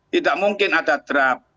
tidak mungkin ada draft